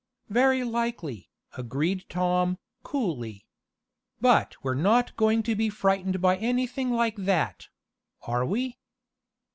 "Very likely," agreed Tom, coolly. "But we're not going to be frightened by anything like that; are we?"